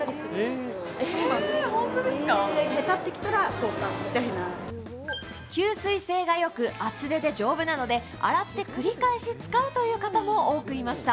更に吸水性がよく厚手で丈夫なので洗って繰り返し使うという方も多くいました。